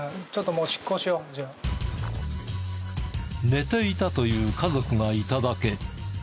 寝ていたという家族がいただけ。